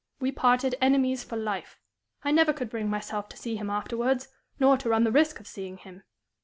We parted enemies for life. I never could bring myself to see him afterwards, nor to run the risk of seeing him.